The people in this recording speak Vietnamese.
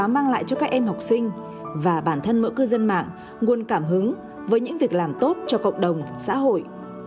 mang lại cho các em học sinh và bản thân mỗi cư dân mạng nguồn cảm hứng với những việc làm tốt cho cộng đồng xã hội